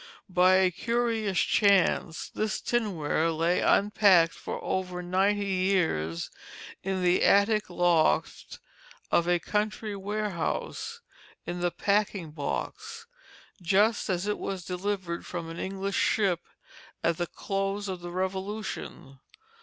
By a curious chance this tinware lay unpacked for over ninety years in the attic loft of a country warehouse, in the packing box, just as it was delivered from an English ship at the close of the Revolution.